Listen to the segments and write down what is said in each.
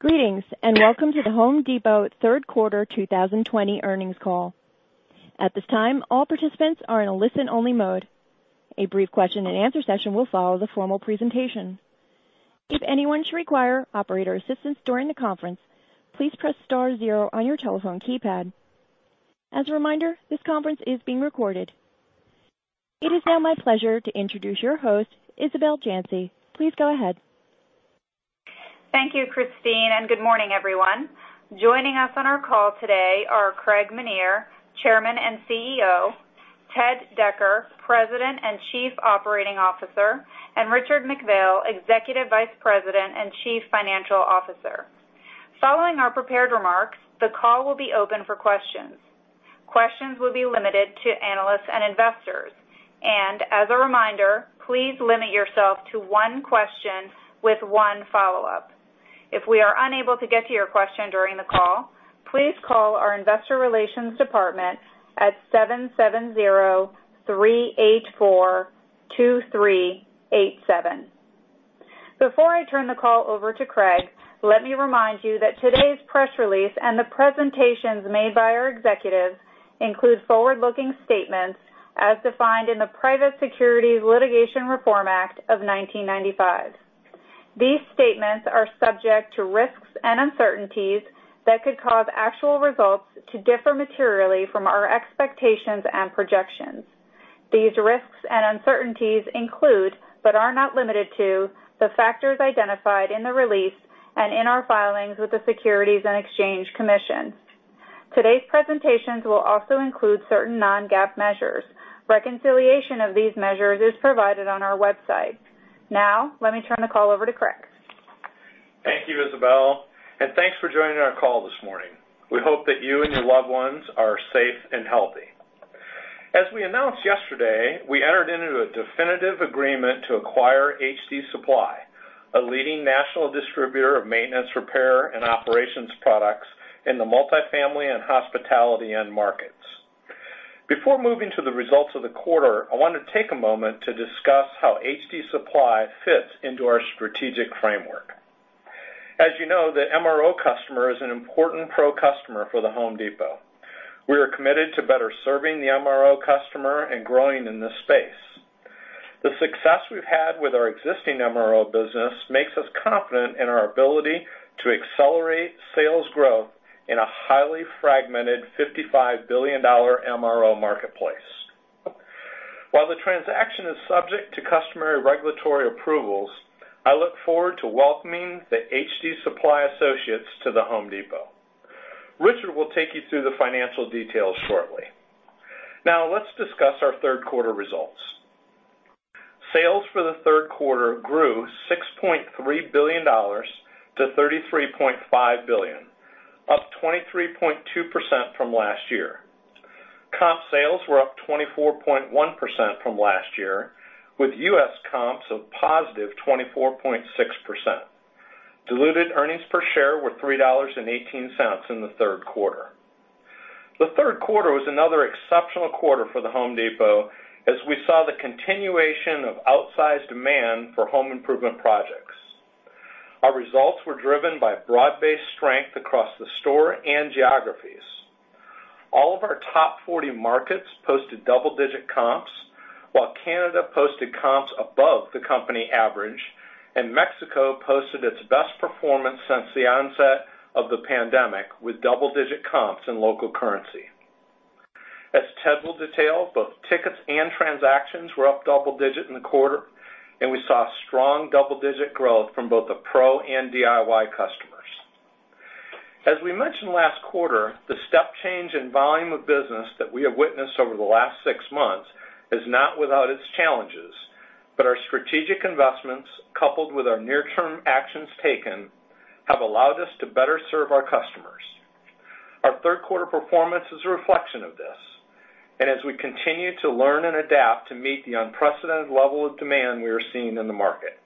Greetings, and welcome to The Home Depot third quarter 2020 earnings call. At this time, all participants are in a listen-only mode. A brief question and answer session will follow the formal presentation. If anyone should require operator assistance during the conference, please press star zero on your telephone keypad. As a reminder, this conference is being recorded. It is now my pleasure to introduce your host, Isabel Janci. Please go ahead. Thank you, Christine. Good morning, everyone. Joining us on our call today are Craig Menear, Chairman and CEO, Ted Decker, President and Chief Operating Officer, and Richard McPhail, Executive Vice President and Chief Financial Officer. Following our prepared remarks, the call will be open for questions. Questions will be limited to analysts and investors. As a reminder, please limit yourself to one question with one follow-up. If we are unable to get to your question during the call, please call our investor relations department at 770-384-2387. Before I turn the call over to Craig, let me remind you that today's press release and the presentations made by our executives include forward-looking statements as defined in the Private Securities Litigation Reform Act of 1995. These statements are subject to risks and uncertainties that could cause actual results to differ materially from our expectations and projections. These risks and uncertainties include, but are not limited to, the factors identified in the release and in our filings with the Securities and Exchange Commission. Today's presentations will also include certain non-GAAP measures. Reconciliation of these measures is provided on our website. Now, let me turn the call over to Craig. Thank you, Isabel, and thanks for joining our call this morning. We hope that you and your loved ones are safe and healthy. As we announced yesterday, we entered into a definitive agreement to acquire HD Supply, a leading national distributor of maintenance, repair, and operations products in the multifamily and hospitality end markets. Before moving to the results of the quarter, I want to take a moment to discuss how HD Supply fits into our strategic framework. As you know, the MRO customer is an important pro customer for The Home Depot. We are committed to better serving the MRO customer and growing in this space. The success we've had with our existing MRO business makes us confident in our ability to accelerate sales growth in a highly fragmented $55 billion MRO marketplace. While the transaction is subject to customary regulatory approvals, I look forward to welcoming the HD Supply associates to The Home Depot. Richard will take you through the financial details shortly. Let's discuss our third quarter results. Sales for the third quarter grew $6.3 billion to $33.5 billion, up 23.2% from last year. Comp sales were up 24.1% from last year, with U.S. comps of positive 24.6%. Diluted earnings per share were $3.18 in the third quarter. The third quarter was another exceptional quarter for The Home Depot, as we saw the continuation of outsized demand for home improvement projects. Our results were driven by broad-based strength across the store and geographies. All of our top 40 markets posted double-digit comps, while Canada posted comps above the company average, and Mexico posted its best performance since the onset of the pandemic, with double-digit comps in local currency. As Ted will detail, both tickets and transactions were up double-digit in the quarter, and we saw strong double-digit growth from both the Pro and DIY customers. As we mentioned last quarter, the step change in volume of business that we have witnessed over the last six months is not without its challenges, but our strategic investments, coupled with our near-term actions taken, have allowed us to better serve our customers. Our third quarter performance is a reflection of this, and as we continue to learn and adapt to meet the unprecedented level of demand we are seeing in the market.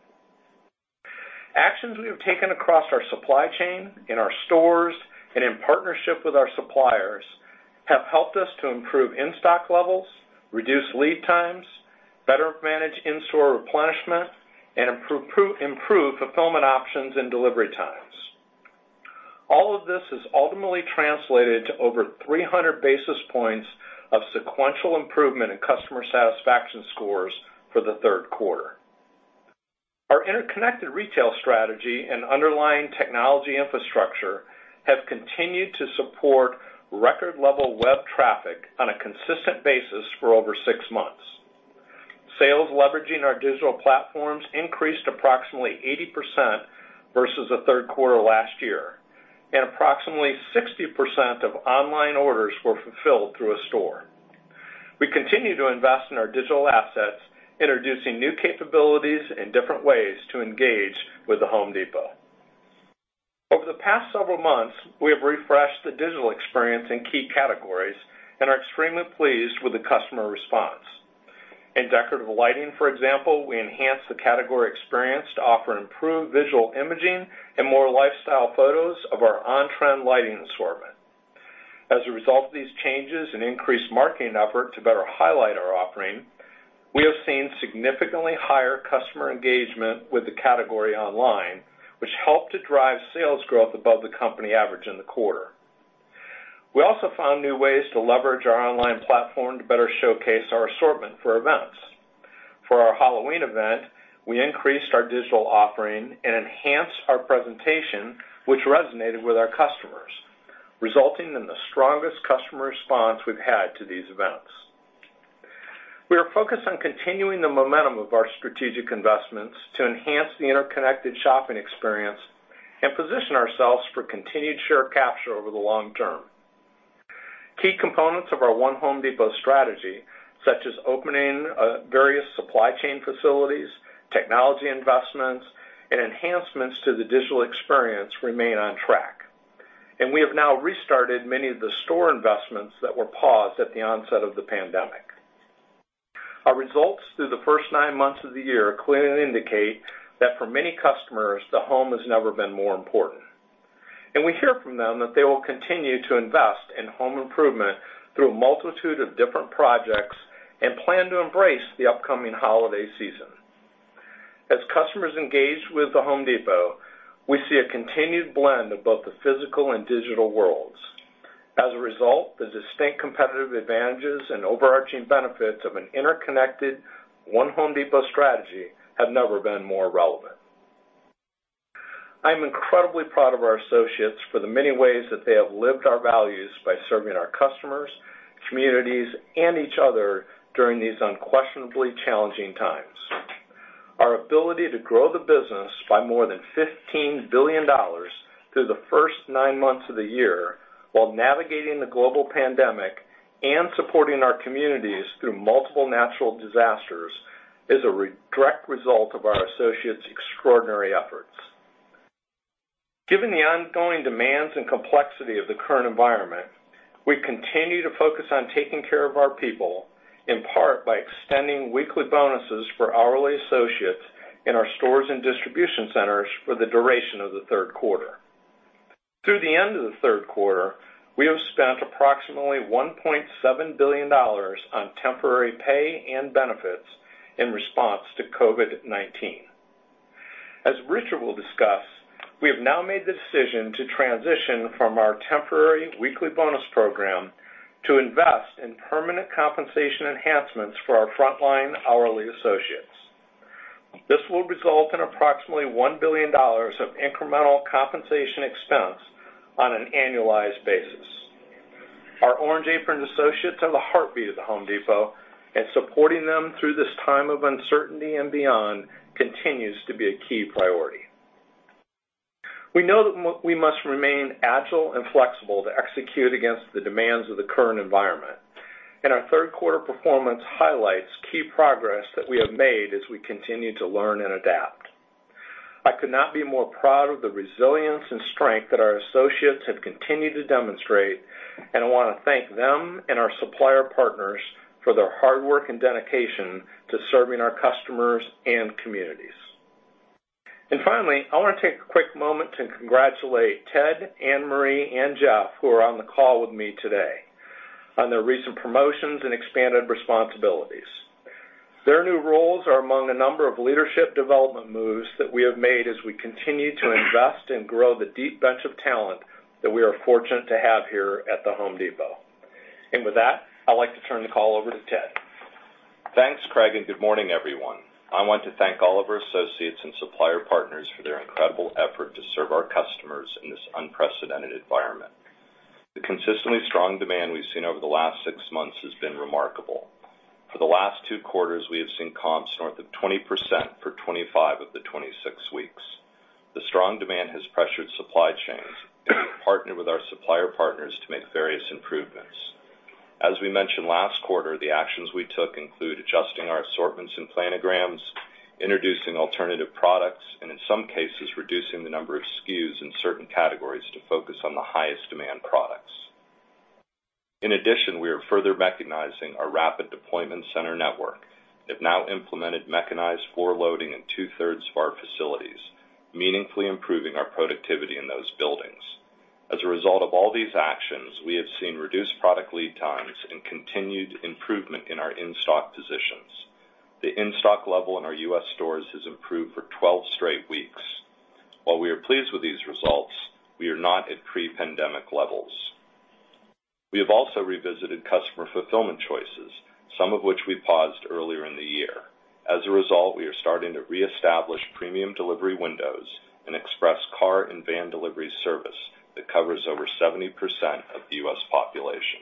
Actions we have taken across our supply chain, in our stores, and in partnership with our suppliers, have helped us to improve in-stock levels, reduce lead times, better manage in-store replenishment, and improve fulfillment options and delivery times. All of this has ultimately translated to over 300 basis points of sequential improvement in customer satisfaction scores for the third quarter. Our interconnected retail strategy and underlying technology infrastructure have continued to support record level web traffic on a consistent basis for over six months. Sales leveraging our digital platforms increased approximately 80% versus the third quarter last year, and approximately 60% of online orders were fulfilled through a store. We continue to invest in our digital assets, introducing new capabilities and different ways to engage with The Home Depot. Over the past several months, we have refreshed the digital experience in key categories and are extremely pleased with the customer response. In decorative lighting, for example, we enhanced the category experience to offer improved visual imaging and more lifestyle photos of our on-trend lighting assortment. As a result of these changes and increased marketing effort to better highlight our offering, we have seen significantly higher customer engagement with the category online, which helped to drive sales growth above the company average in the quarter. We also found new ways to leverage our online platform to better showcase our assortment for events. For our Halloween event, we increased our digital offering and enhanced our presentation, which resonated with our customers, resulting in the strongest customer response we've had to these events. We are focused on continuing the momentum of our strategic investments to enhance the interconnected shopping experience and position ourselves for continued share capture over the long term. Key components of our One Home Depot strategy, such as opening various supply chain facilities, technology investments, and enhancements to the digital experience remain on track. We have now restarted many of the store investments that were paused at the onset of the pandemic. Our results through the first nine months of the year clearly indicate that for many customers, the home has never been more important. We hear from them that they will continue to invest in home improvement through a multitude of different projects and plan to embrace the upcoming holiday season. As customers engage with The Home Depot, we see a continued blend of both the physical and digital worlds. As a result, the distinct competitive advantages and overarching benefits of an interconnected One Home Depot strategy have never been more relevant. I'm incredibly proud of our associates for the many ways that they have lived our values by serving our customers, communities, and each other during these unquestionably challenging times. Our ability to grow the business by more than $15 billion through the first nine months of the year while navigating the global pandemic and supporting our communities through multiple natural disasters is a direct result of our associates' extraordinary efforts. Given the ongoing demands and complexity of the current environment, we continue to focus on taking care of our people, in part by extending weekly bonuses for hourly associates in our stores and distribution centers for the duration of the third quarter. Through the end of the third quarter, we have spent approximately $1.7 billion on temporary pay and benefits in response to COVID-19. As Richard will discuss, we have now made the decision to transition from our temporary weekly bonus program to invest in permanent compensation enhancements for our frontline hourly associates. This will result in approximately $1 billion of incremental compensation expense on an annualized basis. Our orange apron associates are the heartbeat of The Home Depot, and supporting them through this time of uncertainty and beyond continues to be a key priority. We know that we must remain agile and flexible to execute against the demands of the current environment. Our third quarter performance highlights key progress that we have made as we continue to learn and adapt. I could not be more proud of the resilience and strength that our associates have continued to demonstrate, and I want to thank them and our supplier partners for their hard work and dedication to serving our customers and communities. Finally, I want to take a quick moment to congratulate Ted, Ann-Marie, and Jeff, who are on the call with me today, on their recent promotions and expanded responsibilities. Their new roles are among a number of leadership development moves that we have made as we continue to invest and grow the deep bench of talent that we are fortunate to have here at The Home Depot. With that, I'd like to turn the call over to Ted. Thanks, Craig. Good morning, everyone. I want to thank all of our associates and supplier partners for their incredible effort to serve our customers in this unprecedented environment. The consistently strong demand we've seen over the last six months has been remarkable. For the last two quarters, we have seen comps north of 20% for 25 of the 26 weeks. The strong demand has pressured supply chains. We've partnered with our supplier partners to make various improvements. As we mentioned last quarter, the actions we took include adjusting our assortments and planograms, introducing alternative products, and in some cases, reducing the number of SKUs in certain categories to focus on the highest demand products. In addition, we are further recognizing our rapid deployment center network have now implemented mechanized floor loading in two-thirds of our facilities, meaningfully improving our productivity in those buildings. As a result of all these actions, we have seen reduced product lead times and continued improvement in our in-stock positions. The in-stock level in our U.S. stores has improved for 12 straight weeks. While we are pleased with these results, we are not at pre-pandemic levels. We have also revisited customer fulfillment choices, some of which we paused earlier in the year. As a result, we are starting to reestablish premium delivery windows and express car and van delivery service that covers over 70% of the U.S. population.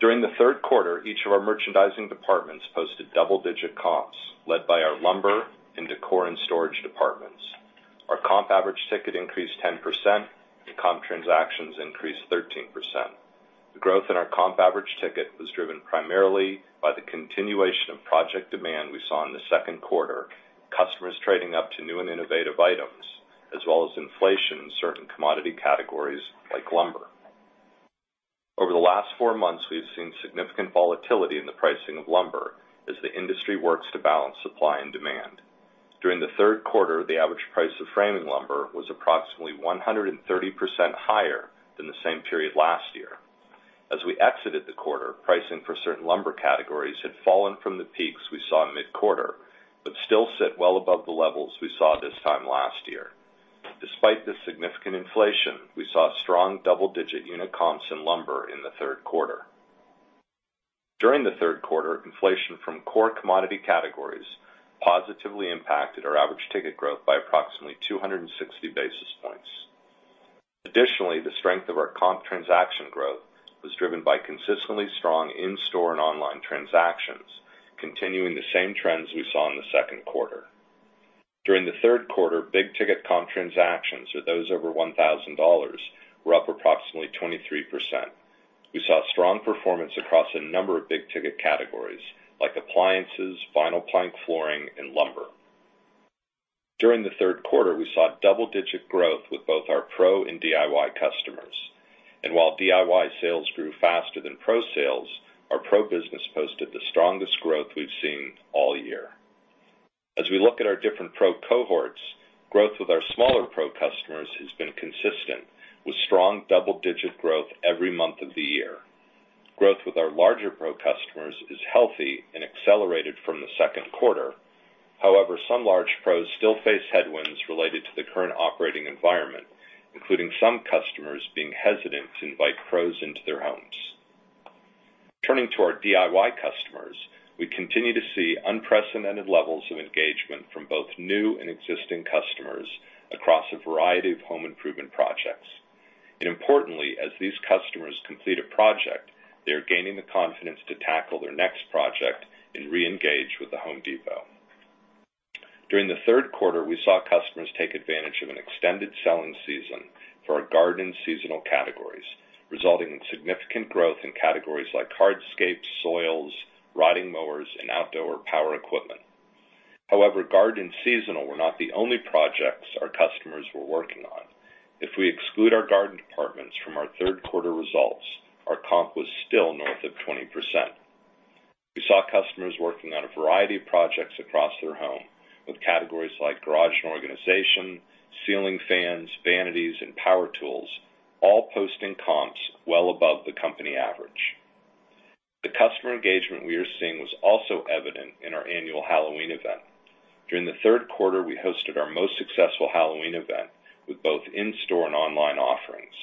During the third quarter, each of our merchandising departments posted double-digit comps, led by our lumber and decor and storage departments. Our comp average ticket increased 10%, and comp transactions increased 13%. The growth in our comp average ticket was driven primarily by the continuation of project demand we saw in the second quarter, customers trading up to new and innovative items, as well as inflation in certain commodity categories like lumber. Over the last four months, we've seen significant volatility in the pricing of lumber as the industry works to balance supply and demand. During the third quarter, the average price of framing lumber was approximately 130% higher than the same period last year. As we exited the quarter, pricing for certain lumber categories had fallen from the peaks we saw mid-quarter, but still sit well above the levels we saw this time last year. Despite this significant inflation, we saw strong double-digit unit comps in lumber in the third quarter. During the third quarter, inflation from core commodity categories positively impacted our average ticket growth by approximately 260 basis points. Additionally, the strength of our comp transaction growth was driven by consistently strong in-store and online transactions, continuing the same trends we saw in the second quarter. During the third quarter, big ticket comp transactions or those over $1,000 were up approximately 23%. We saw strong performance across a number of big ticket categories like appliances, vinyl plank flooring, and lumber. During the third quarter, we saw double-digit growth with both our pro and DIY customers. While DIY sales grew faster than pro sales, our pro business posted the strongest growth we've seen all year. As we look at our different pro cohorts, growth with our smaller pro customers has been consistent, with strong double-digit growth every month of the year. Growth with our larger pro customers is healthy and accelerated from the second quarter. However, some large pros still face headwinds related to the current operating environment, including some customers being hesitant to invite pros into their homes. Turning to our DIY customers, we continue to see unprecedented levels of engagement from both new and existing customers across a variety of home improvement projects. Importantly, as these customers complete a project, they are gaining the confidence to tackle their next project and reengage with The Home Depot. During the third quarter, we saw customers take advantage of an extended selling season for our garden seasonal categories, resulting in significant growth in categories like hardscapes, soils, riding mowers, and outdoor power equipment. However, garden seasonal were not the only projects our customers were working on. If we exclude our garden departments from our third quarter results, our comp was still north of 20%. We saw customers working on a variety of projects across their home with categories like garage and organization, ceiling fans, vanities, and power tools, all posting comps well above the company average. The customer engagement we are seeing was also evident in our annual Halloween event. During the third quarter, we hosted our most successful Halloween event with both in-store and online offerings.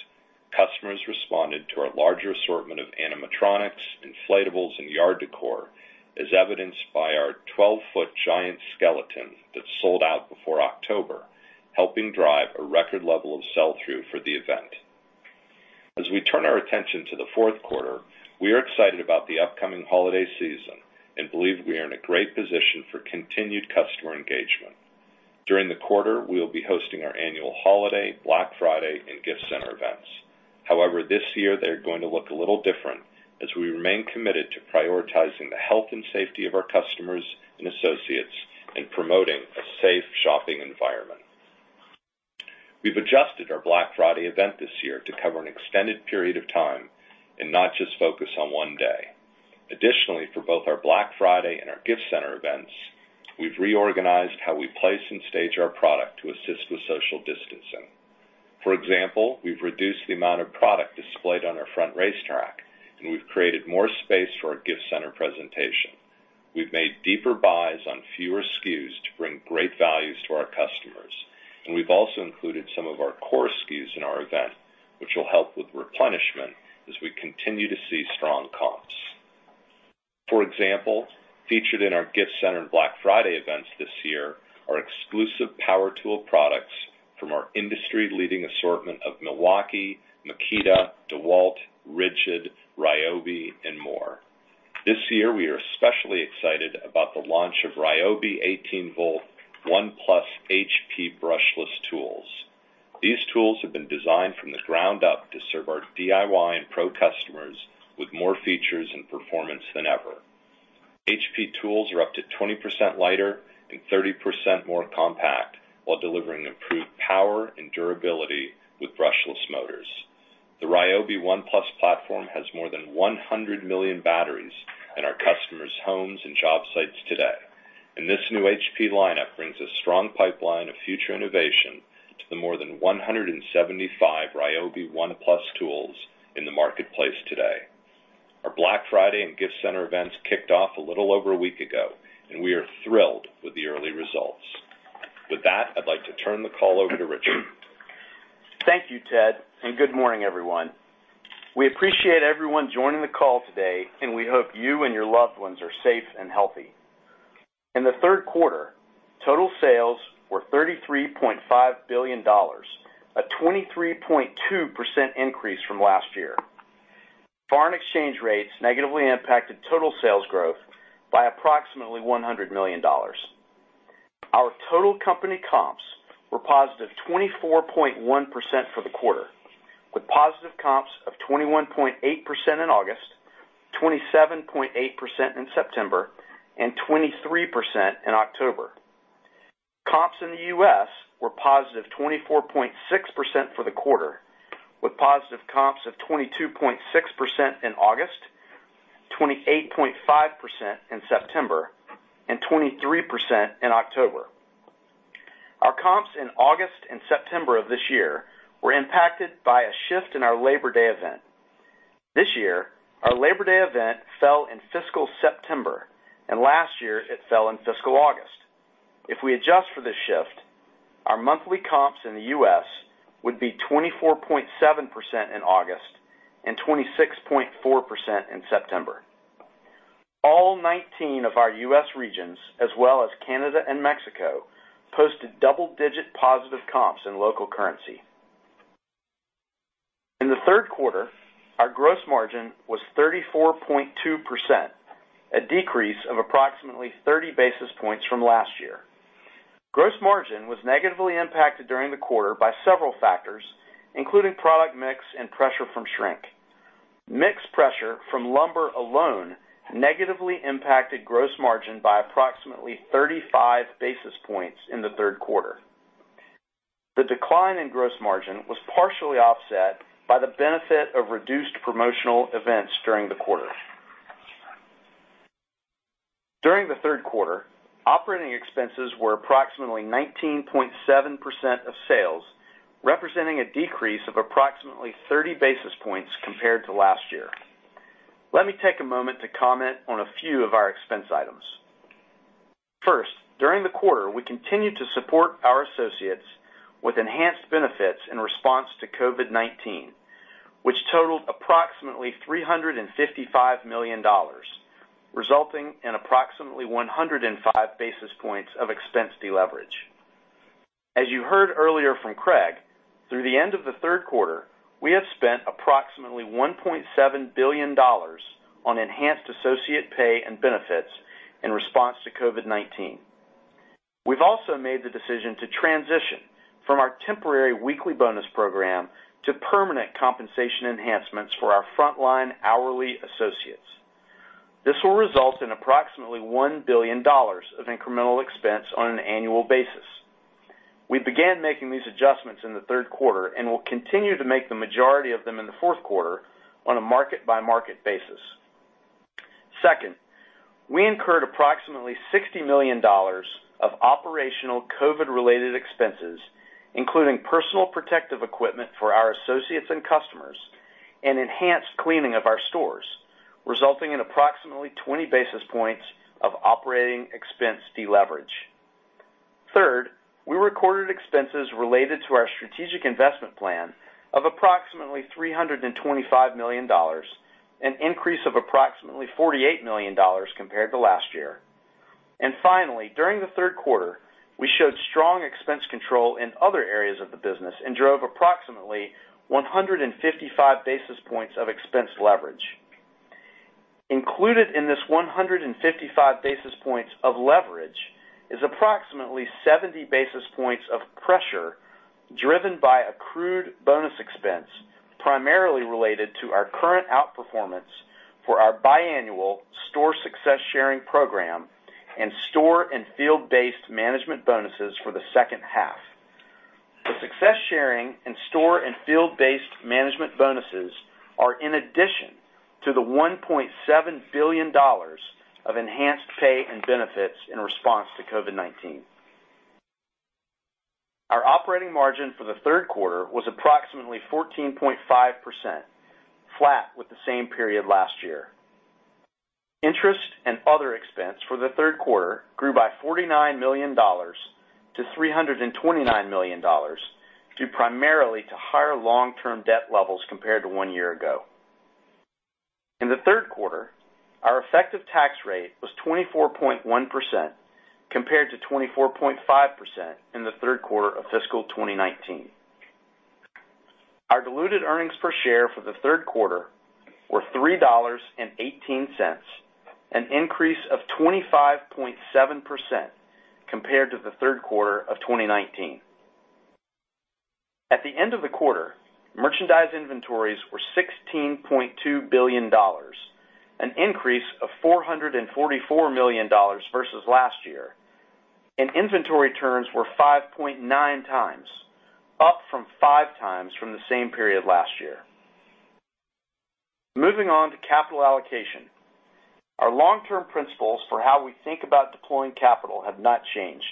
Customers responded to our larger assortment of animatronics, inflatables, and yard decor, as evidenced by our 12-foot giant skeleton that sold out before October, helping drive a record level of sell-through for the event. We turn our attention to the fourth quarter, we are excited about the upcoming holiday season and believe we are in a great position for continued customer engagement. During the quarter, we will be hosting our annual holiday, Black Friday, and gift center events. However, this year they are going to look a little different as we remain committed to prioritizing the health and safety of our customers and associates in promoting a safe shopping environment. We've adjusted our Black Friday event this year to cover an extended period of time and not just focus on one day. Additionally, for both our Black Friday and our gift center events, we've reorganized how we place and stage our product to assist with social distancing. For example, we've reduced the amount of product displayed on our front racetrack, and we've created more space for our gift center presentation. We've made deeper buys on fewer SKUs to bring great values to our customers, and we've also included some of our core SKUs in our event, which will help with replenishment as we continue to see strong comps. For example, featured in our gift center and Black Friday events this year are exclusive power tool products from our industry-leading assortment of Milwaukee, Makita, DeWalt, RIDGID, Ryobi, and more. This year, we are especially excited about the launch of Ryobi 18V ONE+ HP brushless tools. These tools have been designed from the ground up to serve our DIY and pro customers with more features and performance than ever. HP tools are up to 20% lighter and 30% more compact while delivering improved power and durability with brushless motors. The Ryobi ONE+ platform has more than 100 million batteries in our customers' homes and job sites today. This new HP lineup brings a strong pipeline of future innovation to the more than 175 Ryobi ONE+ tools in the marketplace today. Our Black Friday and gift center events kicked off a little over a week ago, we are thrilled with the early results. With that, I'd like to turn the call over to Richard. Thank you, Ted. Good morning, everyone. We appreciate everyone joining the call today, and we hope you and your loved ones are safe and healthy. In the third quarter, total sales were $33.5 billion, a 23.2% increase from last year. Foreign exchange rates negatively impacted total sales growth by approximately $100 million. Our total company comps were positive 24.1% for the quarter, with positive comps of 21.8% in August, 27.8% in September, and 23% in October. Comps in the U.S. were positive 24.6% for the quarter, with positive comps of 22.6% in August, 28.5% in September, and 23% in October. Our comps in August and September of this year were impacted by a shift in our Labor Day event. This year, our Labor Day event fell in fiscal September, and last year it fell in fiscal August. If we adjust for this shift, our monthly comps in the U.S. would be 24.7% in August and 26.4% in September. All 19 of our U.S. regions, as well as Canada and Mexico, posted double-digit positive comps in local currency. In the third quarter, our gross margin was 34.2%, a decrease of approximately 30 basis points from last year. Gross margin was negatively impacted during the quarter by several factors, including product mix and pressure from shrink. Mix pressure from lumber alone negatively impacted gross margin by approximately 35 basis points in the third quarter. The decline in gross margin was partially offset by the benefit of reduced promotional events during the quarter. During the third quarter, operating expenses were approximately 19.7% of sales, representing a decrease of approximately 30 basis points compared to last year. Let me take a moment to comment on a few of our expense items. First, during the quarter, we continued to support our associates with enhanced benefits in response to COVID-19, which totaled approximately $355 million, resulting in approximately 105 basis points of expense deleverage. As you heard earlier from Craig, through the end of the third quarter, we have spent approximately $1.7 billion on enhanced associate pay and benefits in response to COVID-19. We've also made the decision to transition from our temporary weekly bonus program to permanent compensation enhancements for our frontline hourly associates. This will result in approximately $1 billion of incremental expense on an annual basis. We began making these adjustments in the third quarter and will continue to make the majority of them in the fourth quarter on a market-by-market basis. Second, we incurred approximately $60 million of operational COVID-related expenses, including personal protective equipment for our associates and customers and enhanced cleaning of our stores, resulting in approximately 20 basis points of operating expense deleverage. Third, we recorded expenses related to our strategic investment plan of approximately $325 million, an increase of approximately $48 million compared to last year. Finally, during the third quarter, we showed strong expense control in other areas of the business and drove approximately 155 basis points of expense leverage. Included in this 155 basis points of leverage is approximately 70 basis points of pressure driven by accrued bonus expense, primarily related to our current outperformance for our biannual store Success Sharing program and store and field-based management bonuses for the second half. The Success Sharing and store and field-based management bonuses are in addition to the $1.7 billion of enhanced pay and benefits in response to COVID-19. Our operating margin for the third quarter was approximately 14.5%, flat with the same period last year. Interest and other expense for the third quarter grew by $49 million to $329 million, due primarily to higher long-term debt levels compared to one year ago. In the third quarter, our effective tax rate was 24.1% compared to 24.5% in the third quarter of fiscal 2019. Our diluted earnings per share for the third quarter were $3.18, an increase of 25.7% compared to the third quarter of 2019. At the end of the quarter, merchandise inventories were $16.2 billion, an increase of $444 million versus last year, and inventory turns were 5.9 times, up from five times from the same period last year. Moving on to capital allocation. Our long-term principles for how we think about deploying capital have not changed.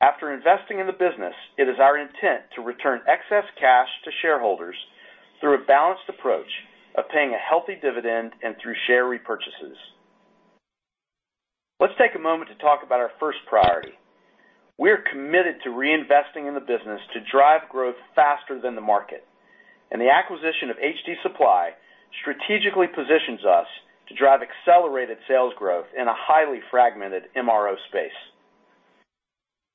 After investing in the business, it is our intent to return excess cash to shareholders through a balanced approach of paying a healthy dividend and through share repurchases. Let's take a moment to talk about our first priority. We are committed to reinvesting in the business to drive growth faster than the market, and the acquisition of HD Supply strategically positions us to drive accelerated sales growth in a highly fragmented MRO space.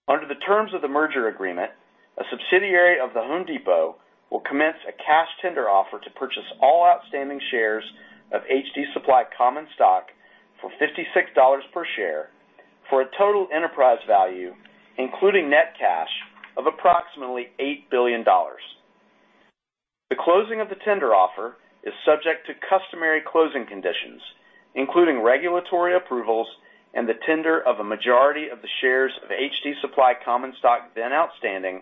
Under the terms of the merger agreement, a subsidiary of The Home Depot will commence a cash tender offer to purchase all outstanding shares of HD Supply common stock for $56 per share for a total enterprise value, including net cash, of approximately $8 billion. Closing of the tender offer is subject to customary closing conditions, including regulatory approvals and the tender of a majority of the shares of HD Supply common stock then outstanding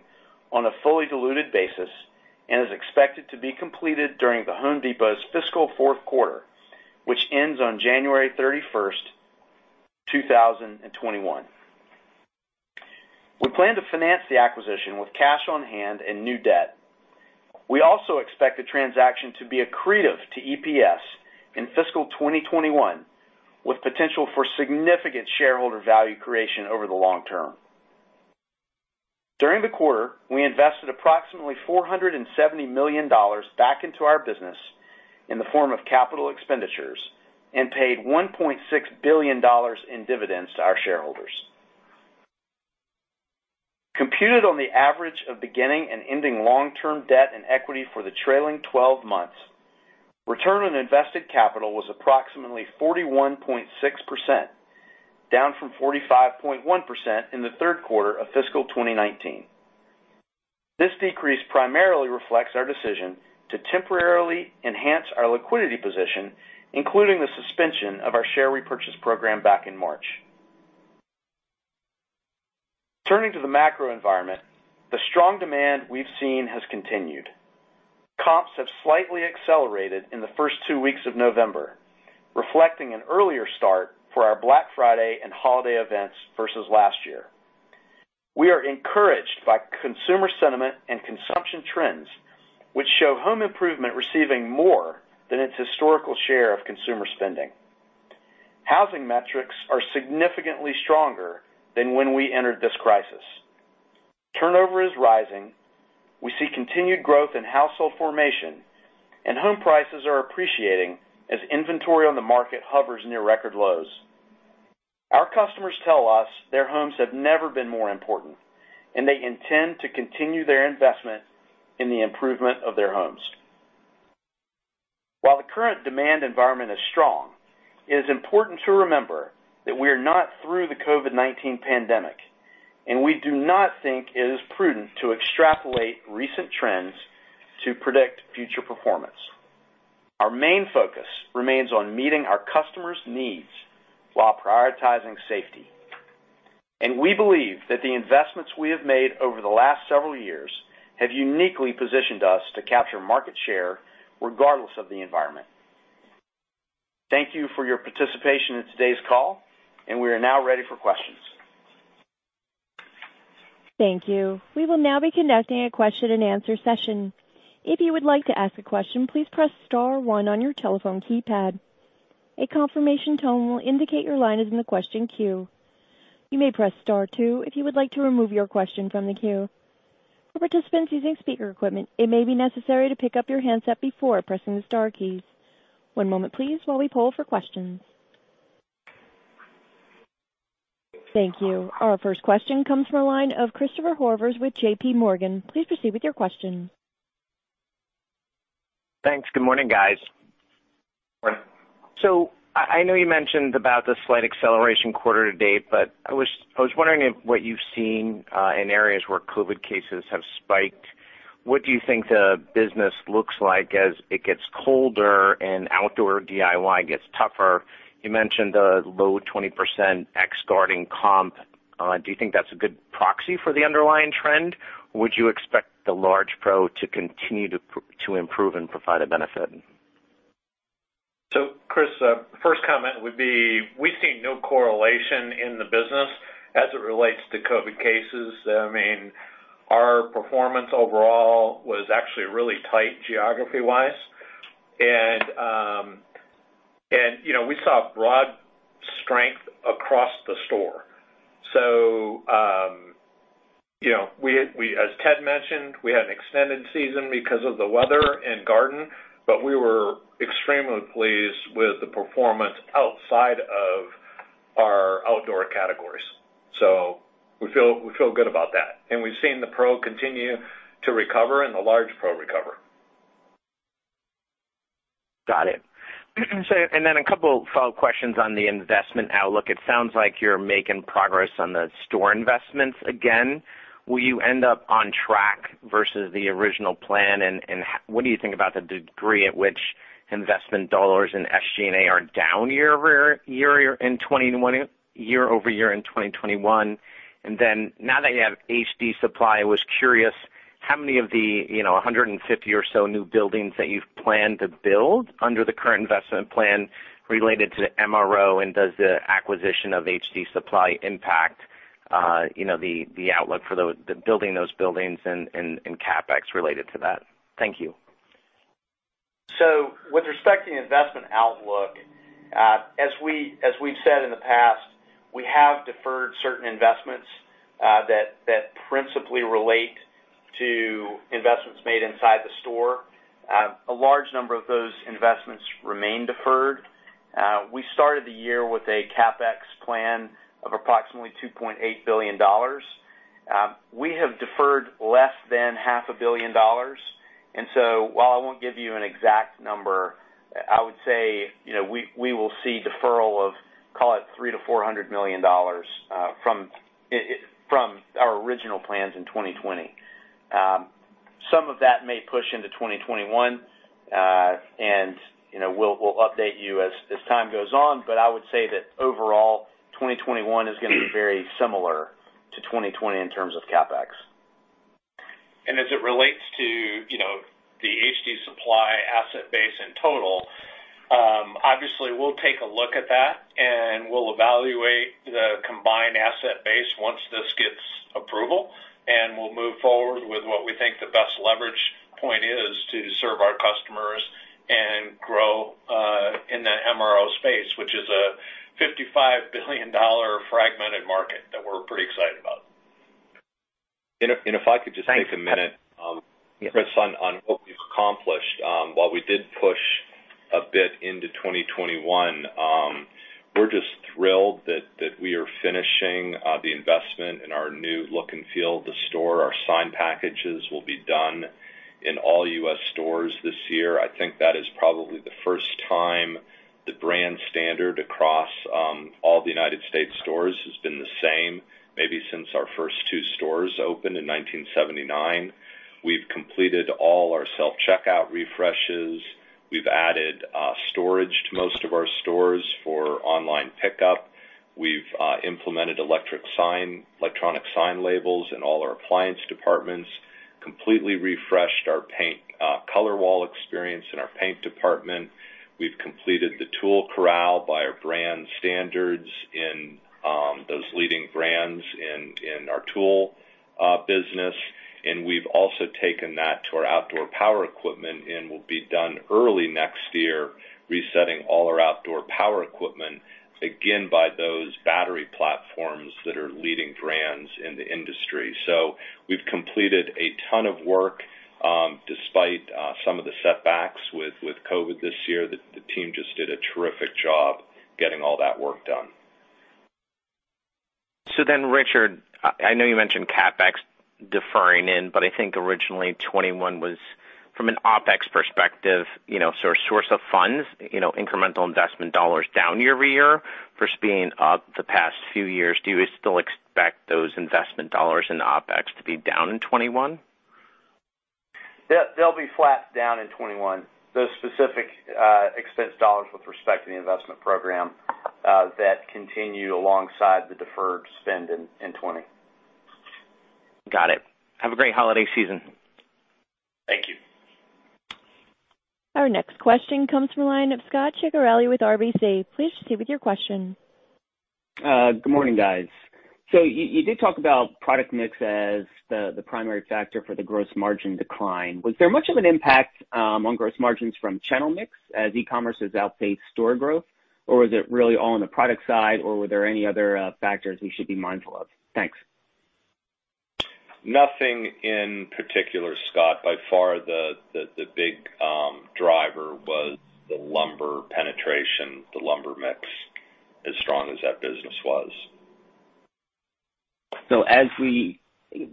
on a fully diluted basis, and is expected to be completed during The Home Depot's fiscal fourth quarter, which ends on January 31st, 2021. We plan to finance the acquisition with cash on hand and new debt. We also expect the transaction to be accretive to EPS in fiscal 2021, with potential for significant shareholder value creation over the long term. During the quarter, we invested approximately $470 million back into our business in the form of capital expenditures and paid $1.6 billion in dividends to our shareholders. Computed on the average of beginning and ending long-term debt and equity for the trailing 12 months, return on invested capital was approximately 41.6%, down from 45.1% in the third quarter of fiscal 2019. This decrease primarily reflects our decision to temporarily enhance our liquidity position, including the suspension of our share repurchase program back in March. Turning to the macro environment, the strong demand we've seen has continued. Comps have slightly accelerated in the first two weeks of November, reflecting an earlier start for our Black Friday and holiday events versus last year. We are encouraged by consumer sentiment and consumption trends, which show home improvement receiving more than its historical share of consumer spending. Housing metrics are significantly stronger than when we entered this crisis. Turnover is rising. We see continued growth in household formation, and home prices are appreciating as inventory on the market hovers near record lows. Our customers tell us their homes have never been more important, and they intend to continue their investment in the improvement of their homes. While the current demand environment is strong, it is important to remember that we are not through the COVID-19 pandemic, and we do not think it is prudent to extrapolate recent trends to predict future performance. Our main focus remains on meeting our customers' needs while prioritizing safety. We believe that the investments we have made over the last several years have uniquely positioned us to capture market share regardless of the environment. Thank you for your participation in today's call, and we are now ready for questions. Thank you. We will now be conducting a question and answer session. If you would like to ask a question, please press star one on your telephone keypad. A confirmation tone will indicate your line is in the question queue. You may press star two if you would like to remove your question from the queue. For participants using speaker equipment, it may be necessary to pick up your handset before pressing the star keys. One moment please, while we poll for questions. Thank you. Our first question comes from the line of Christopher Horvers with JPMorgan. Please proceed with your question. Thanks. Good morning, guys. Morning. I know you mentioned about the slight acceleration quarter to date. I was wondering if what you've seen in areas where COVID cases have spiked, what do you think the business looks like as it gets colder and outdoor DIY gets tougher? You mentioned the low 20% ex-garden comp. Do you think that's a good proxy for the underlying trend? Would you expect the large pro to continue to improve and provide a benefit? Chris, first comment would be, we see no correlation in the business as it relates to COVID cases. Our performance overall was actually really tight geography-wise. We saw broad strength across the store. As Ted mentioned, we had an extended season because of the weather and garden, but we were extremely pleased with the performance outside of our outdoor categories. We feel good about that. We've seen the pro continue to recover and the large pro recover. Got it. A couple follow-up questions on the investment outlook. It sounds like you're making progress on the store investments again. Will you end up on track versus the original plan? What do you think about the degree at which investment dollars and SG&A are down year-over-year in 2021? Now that you have HD Supply, I was curious how many of the 150 or so new buildings that you've planned to build under the current investment plan related to MRO, and does the acquisition of HD Supply impact the outlook for building those buildings and CapEx related to that? Thank you. With respect to the investment outlook, as we've said in the past, we have deferred certain investments that principally relate to investments made inside the store. A large number of those investments remain deferred. We started the year with a CapEx plan of approximately $2.8 billion. We have deferred less than half a billion dollars. While I won't give you an exact number, I would say we will see deferral of, call it $300 million to $400 million from Our original plans in 2020. Some of that may push into 2021. We'll update you as time goes on, but I would say that overall, 2021 is going to be very similar to 2020 in terms of CapEx. As it relates to the HD Supply asset base in total, obviously we'll take a look at that, we'll evaluate the combined asset base once this gets approval, we'll move forward with what we think the best leverage point is to serve our customers and grow in the MRO space, which is a $55 billion fragmented market that we're pretty excited about. And if I could just take a minute Chris, on what we've accomplished. While we did push a bit into 2021, we're just thrilled that we are finishing the investment in our new look and feel of the store. Our sign packages will be done in all U.S. stores this year. I think that is probably the first time the brand standard across all the United States stores has been the same, maybe since our first two stores opened in 1979. We've completed all our self-checkout refreshes. We've added storage to most of our stores for online pickup. We've implemented electronic sign labels in all our appliance departments, completely refreshed our paint color wall experience in our paint department. We've completed the tool corral by our brand standards in those leading brands in our tool business, and we've also taken that to our outdoor power equipment and will be done early next year resetting all our outdoor power equipment, again, by those battery platforms that are leading brands in the industry. We've completed a ton of work, despite some of the setbacks with COVID this year. The team just did a terrific job getting all that work done. Richard, I know you mentioned CapEx deferring in, but I think originally 2021 was from an OpEx perspective, source of funds, incremental investment dollars down year-over-year versus being up the past few years. Do you still expect those investment dollars in OpEx to be down in 2021? They'll be flat down in 2021. Those specific expense dollars with respect to the investment program that continue alongside the deferred spend in 2020. Got it. Have a great holiday season. Thank you. Our next question comes from the line of Scot Ciccarelli with RBC. Please proceed with your question. Good morning, guys. You did talk about product mix as the primary factor for the gross margin decline. Was there much of an impact on gross margins from channel mix as e-commerce has outpaced store growth, or was it really all on the product side, or were there any other factors we should be mindful of? Thanks. Nothing in particular, Scot. By far the big driver was the lumber penetration, the lumber mix, as strong as that business was.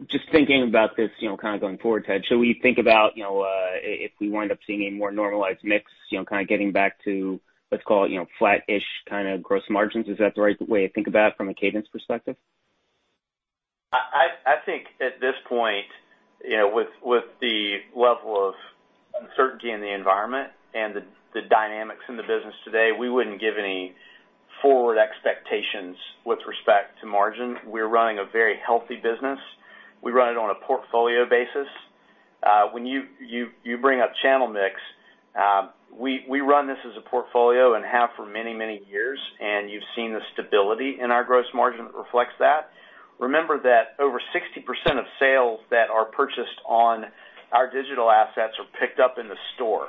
Just thinking about this going forward, Ted, should we think about if we wind up seeing a more normalized mix, kind of getting back to, let's call it, flat-ish kind of gross margins? Is that the right way to think about it from a cadence perspective? I think at this point, with the level of uncertainty in the environment and the dynamics in the business today, we wouldn't give any forward expectations with respect to margin. We're running a very healthy business. We run it on a portfolio basis. When you bring up channel mix, we run this as a portfolio and have for many, many years, and you've seen the stability in our gross margin that reflects that. Remember that over 60% of sales that are purchased on our digital assets are picked up in the store,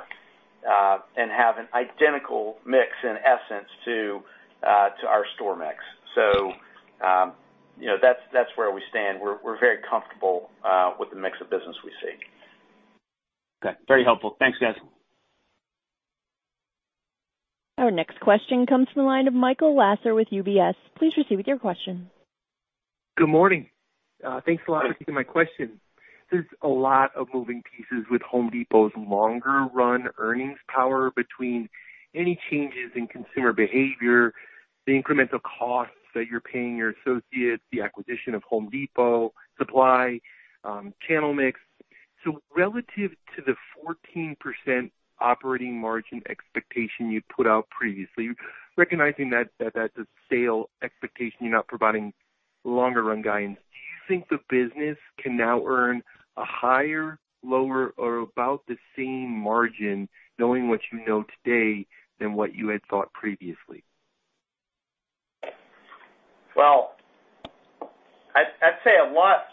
and have an identical mix in essence to our store mix. That's where we stand. We're very comfortable with the mix of business we see. Okay. Very helpful. Thanks, guys. Our next question comes from the line of Michael Lasser with UBS. Please proceed with your question. Good morning. Thanks a lot for taking my question. There's a lot of moving pieces with The Home Depot's longer run earnings power between any changes in consumer behavior, the incremental costs that you're paying your associates, the acquisition of HD Supply, channel mix. Relative to the 14% operating margin expectation you'd put out previously, recognizing that's a stale expectation, you're not providing longer run guidance, do you think the business can now earn a higher, lower, or about the same margin knowing what you know today than what you had thought previously? I'd say a lot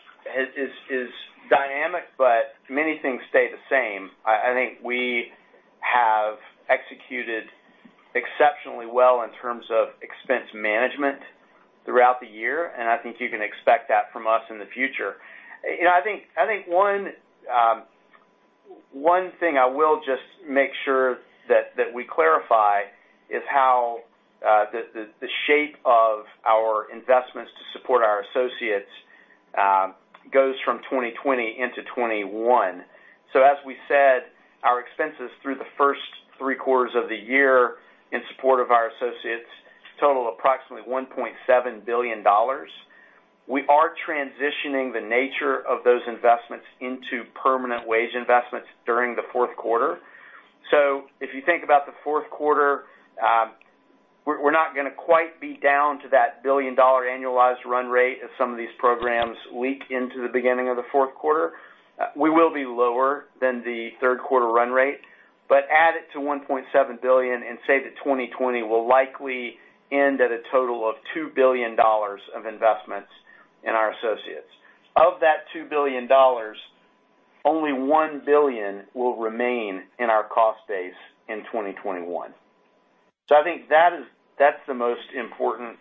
is dynamic, but many things stay the same. I think we have executed exceptionally well in terms of expense management throughout the year, and I think you can expect that from us in the future. I think one thing I will just make sure that we clarify is how the shape of our investments to support our associates goes from 2020 into 2021. As we said, our expenses through the first three quarters of the year in support of our associates total approximately $1.7 billion. We are transitioning the nature of those investments into permanent wage investments during the 4th quarter. If you think about the 4th quarter, we're not going to quite be down to that billion-dollar annualized run rate as some of these programs leak into the beginning of the 4th quarter. We will be lower than the third quarter run rate. Add it to $1.7 billion and say that 2020 will likely end at a total of $2 billion of investments in our associates. Of that $2 billion, only $1 billion will remain in our cost base in 2021. I think that's the most important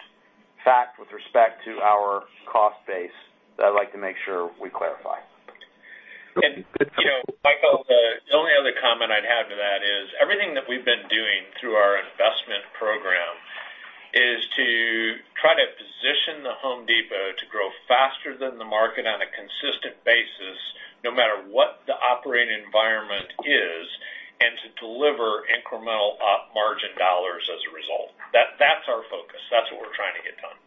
fact with respect to our cost base that I'd like to make sure we clarify. Michael, the only other comment I'd have to that is everything that we've been doing through our investment program is to try to position The Home Depot to grow faster than the market on a consistent basis, no matter what the operating environment is, and to deliver incremental op margin dollars as a result. That's our focus. That's what we're trying to get done.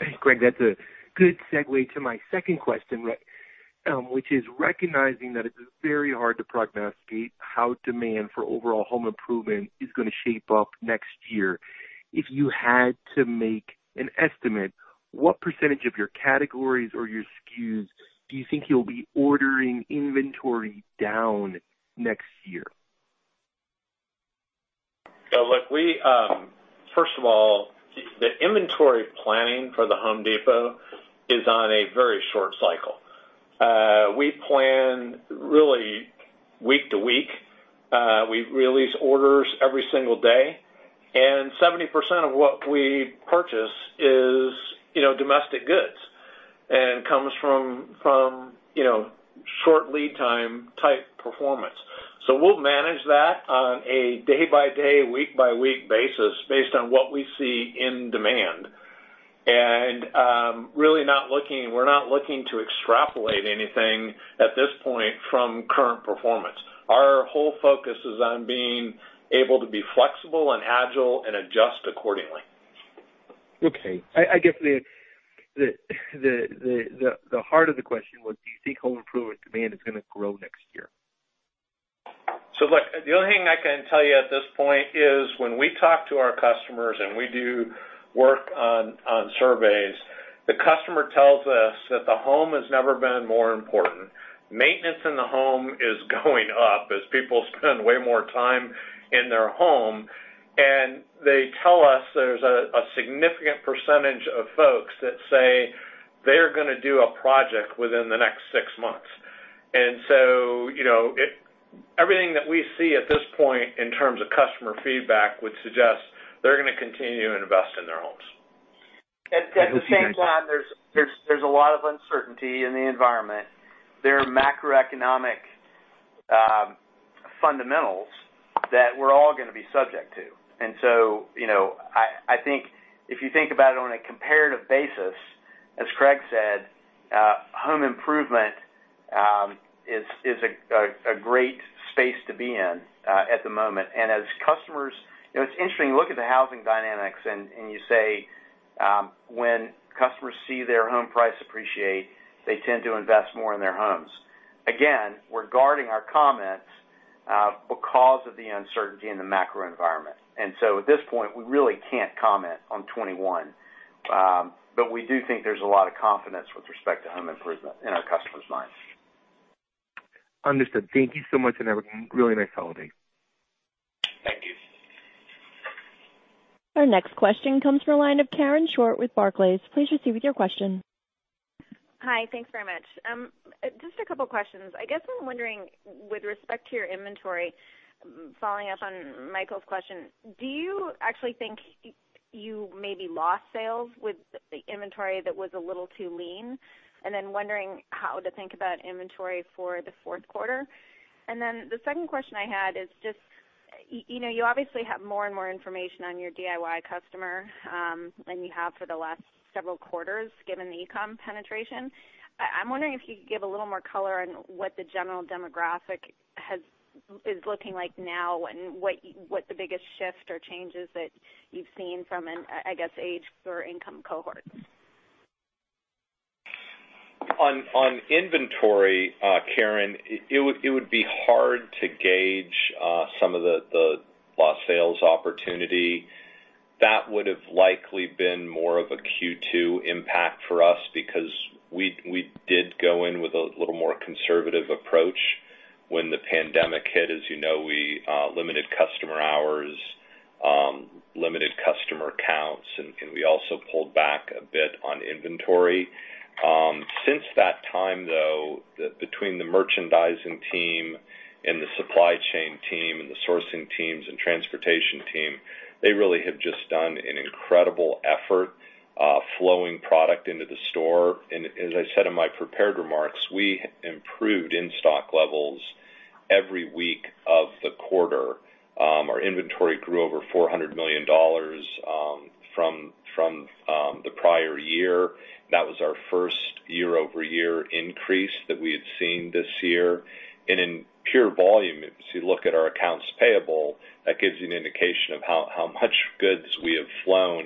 Thanks, Craig. That's a good segue to my second question, which is recognizing that it is very hard to prognosticate how demand for overall home improvement is going to shape up next year. If you had to make an estimate, what percentage of your categories or your SKUs do you think you'll be ordering inventory down next year? Look, first of all, the inventory planning for The Home Depot is on a very short cycle. We plan really week to week. We release orders every single day, and 70% of what we purchase is domestic goods and comes from short lead time type performance. We'll manage that on a day-by-day, week-by-week basis based on what we see in demand. We're not looking to extrapolate anything at this point from current performance. Our whole focus is on being able to be flexible and agile and adjust accordingly. Okay. I guess the heart of the question was, do you think home improvement demand is going to grow next year? Look, the only thing I can tell you at this point is when we talk to our customers and we do work on surveys, the customer tells us that the home has never been more important. Maintenance in the home is going up as people spend way more time in their home, and they tell us there's a significant percentage of folks that say they are going to do a project within the next six months. Everything that we see at this point in terms of customer feedback would suggest they're going to continue to invest in their homes. At the same time, there's a lot of uncertainty in the environment. There are macroeconomic fundamentals that we're all going to be subject to. I think if you think about it on a comparative basis, as Craig said, home improvement is a great space to be in at the moment. It's interesting, look at the housing dynamics, and you say when customers see their home price appreciate, they tend to invest more in their homes. Again, we're guarding our comments because of the uncertainty in the macro environment. At this point, we really can't comment on 2021. We do think there's a lot of confidence with respect to home improvement in our customers' minds. Understood. Thank you so much. Have a really nice holiday. Thank you. Our next question comes from the line of Karen Short with Barclays. Please proceed with your question. Hi. Thanks very much. Just a couple of questions. I guess I'm wondering, with respect to your inventory, following up on Michael's question, do you actually think you maybe lost sales with the inventory that was a little too lean? Then wondering how to think about inventory for the fourth quarter. Then the second question I had is just, you obviously have more and more information on your DIY customer than you have for the last several quarters, given the e-com penetration. I'm wondering if you could give a little more color on what the general demographic is looking like now, and what the biggest shift or changes that you've seen from an, I guess, age or income cohort. On inventory, Karen, it would be hard to gauge some of the lost sales opportunity. That would have likely been more of a Q2 impact for us because we did go in with a little more conservative approach when the pandemic hit. As you know, we limited customer hours, limited customer counts, and we also pulled back a bit on inventory. Since that time, though, between the merchandising team and the supply chain team and the sourcing teams and transportation team, they really have just done an incredible effort flowing product into the store. As I said in my prepared remarks, we improved in-stock levels every week of the quarter. Our inventory grew over $400 million from the prior year. That was our first year-over-year increase that we had seen this year. In pure volume, if you look at our accounts payable, that gives you an indication of how much goods we have flown.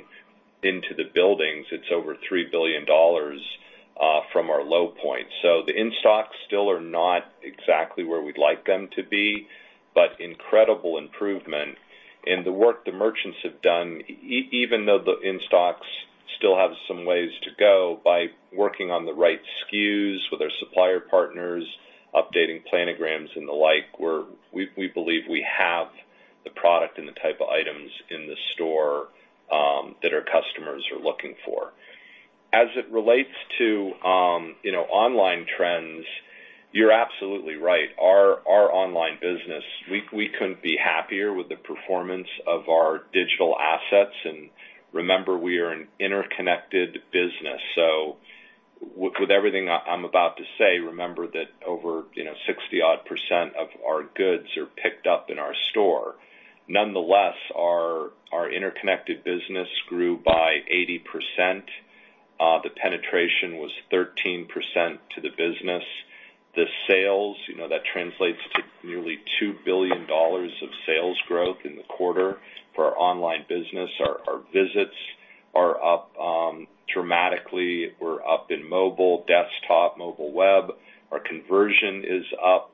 Into the buildings, it's over $3 billion from our low point. The in-stocks still are not exactly where we'd like them to be, but incredible improvement. The work the merchants have done, even though the in-stocks still have some ways to go by working on the right SKUs with our supplier partners, updating planograms and the like, we believe we have the product and the type of items in the store that our customers are looking for. As it relates to online trends, you're absolutely right. Our online business, we couldn't be happier with the performance of our digital assets, and remember, we are an interconnected business, so with everything I'm about to say, remember that over 60% odd of our goods are picked up in our store. Nonetheless, our interconnected business grew by 80%. The penetration was 13% to the business. The sales, that translates to nearly $2 billion of sales growth in the quarter for our online business. Our visits are up dramatically. We're up in mobile, desktop, mobile web. Our conversion is up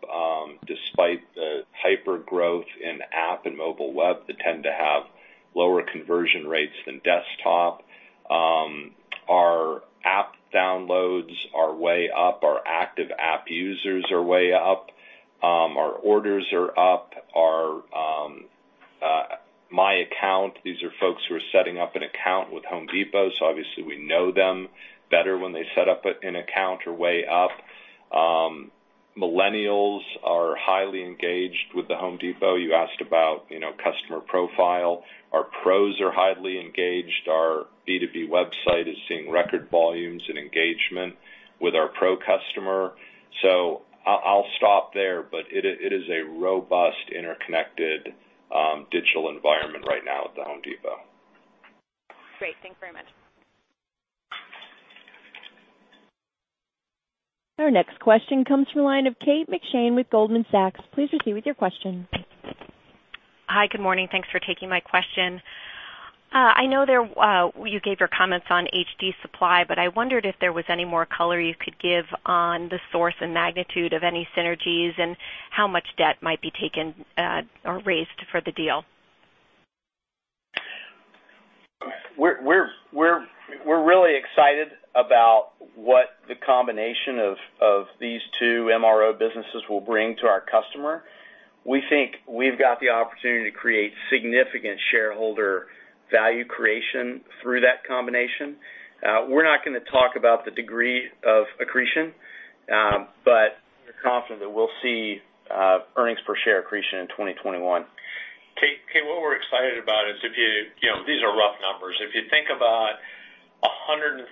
despite the hyper-growth in app and mobile web that tend to have lower conversion rates than desktop. Our app downloads are way up. Our active app users are way up. Our orders are up. Our My Account, these are folks who are setting up an account with The Home Depot, so obviously we know them better when they set up an account, are way up. Millennials are highly engaged with The Home Depot. You asked about customer profile. Our pros are highly engaged. Our B2B website is seeing record volumes and engagement with our pro customer. I'll stop there, but it is a robust, interconnected digital environment right now at The Home Depot. Great. Thanks very much. Our next question comes from the line of Kate McShane with Goldman Sachs. Please proceed with your question. Hi. Good morning. Thanks for taking my question. I know you gave your comments on HD Supply. I wondered if there was any more color you could give on the source and magnitude of any synergies and how much debt might be taken or raised for the deal. We're really excited about what the combination of these two MRO businesses will bring to our customer. We think we've got the opportunity to create significant shareholder value creation through that combination. We're not going to talk about the degree of accretion, but we're confident that we'll see earnings per share accretion in 2021. Kate, what we're excited about is, these are rough numbers. If you think about 130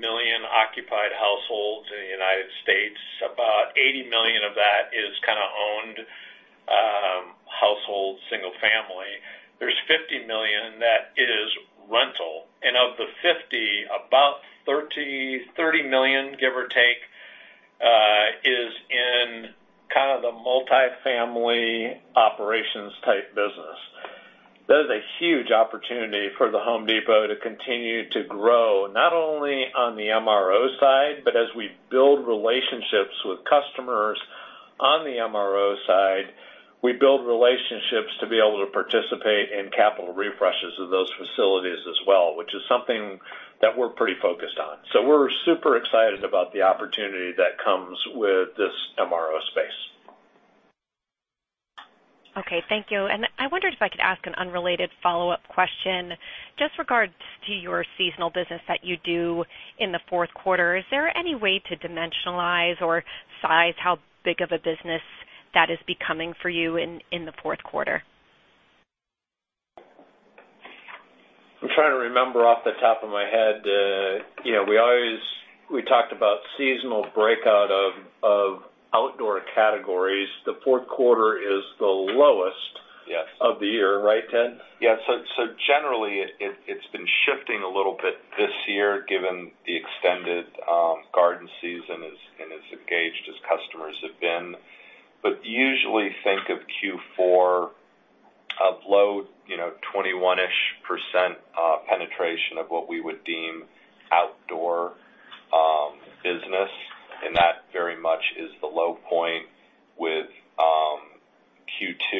million occupied households in the U.S., about 80 million of that is kind of owned households, single family. There's 50 million that is rental. Of the 50, about 30 million, give or take, is in kind of the multifamily operations type business. That is a huge opportunity for The Home Depot to continue to grow, not only on the MRO side, but as we build relationships with customers on the MRO side, we build relationships to be able to participate in capital refreshes of those facilities as well, which is something that we're pretty focused on. We're super excited about the opportunity that comes with this MRO space. Okay. Thank you. I wondered if I could ask an unrelated follow-up question. Just regards to your seasonal business that you do in the fourth quarter, is there any way to dimensionalize or size how big of a business that is becoming for you in the fourth quarter? I'm trying to remember off the top of my head. We talked about seasonal breakout of outdoor categories. The fourth quarter is the lowest- Yes. Of the year, right, Ted? Generally, it's been shifting a little bit this year given the extended garden season and as engaged as customers have been. Usually think of Q4 of low 21%-ish penetration of what we would deem outdoor business, and that very much is the low point with Q2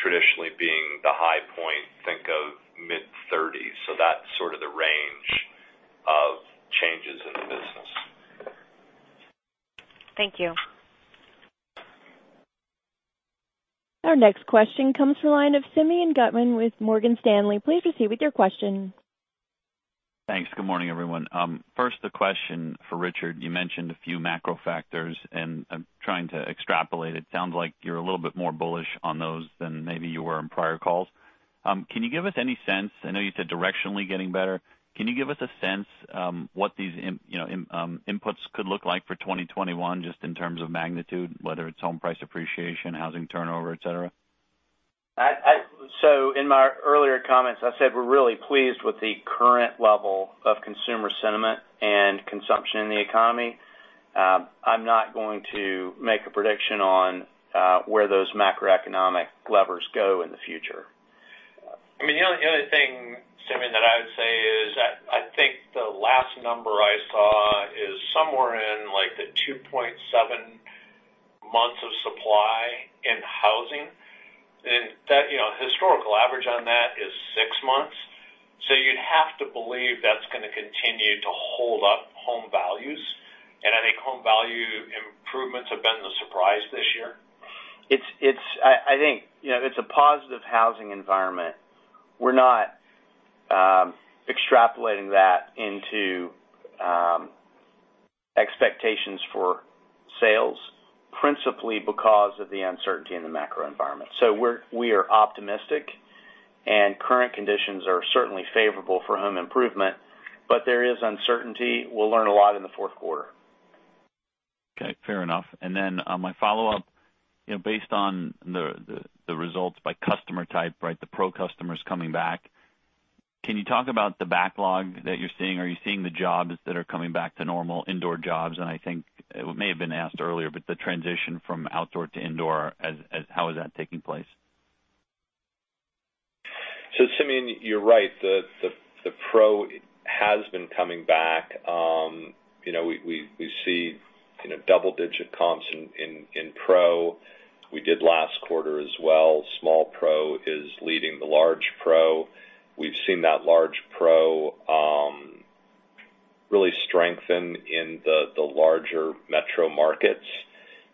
traditionally being the high point, think of mid-30s%. That's sort of the range of changes in the business. Thank you. Our next question comes from the line of Simeon Gutman with Morgan Stanley. Please proceed with your question. Thanks. Good morning, everyone. First, a question for Richard. You mentioned a few macro factors. I'm trying to extrapolate. It sounds like you're a little bit more bullish on those than maybe you were on prior calls. Can you give us any sense, I know you said directionally getting better. Can you give us a sense what these inputs could look like for 2021 just in terms of magnitude, whether it's home price appreciation, housing turnover, etc? In my earlier comments, I said we're really pleased with the current level of consumer sentiment and consumption in the economy. I'm not going to make a prediction on where those macroeconomic levers go in the future. The only thing, Simeon, that I would say is that I think the last number I saw is somewhere in the 2.7 months of supply in housing. The historical average on that is six months. You'd have to believe that's going to continue to hold up home values. I think home value improvements have been the surprise this year. It's a positive housing environment. We're not extrapolating that into expectations for sales, principally because of the uncertainty in the macro environment. We are optimistic, and current conditions are certainly favorable for home improvement. There is uncertainty. We'll learn a lot in the fourth quarter. Okay, fair enough. My follow-up, based on the results by customer type, the pro customers coming back, can you talk about the backlog that you're seeing? Are you seeing the jobs that are coming back to normal, indoor jobs? I think it may have been asked earlier, but the transition from outdoor to indoor, how is that taking place? Simeon, you're right. The pro has been coming back. We see double-digit comps in pro. We did last quarter as well. Small pro is leading the large pro. We've seen that large pro really strengthen in the larger metro markets.